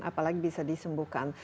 apalagi bisa disembuhkan